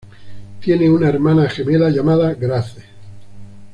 Tiene una hermana gemela, llamada Grace.